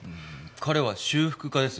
彼は修復家です。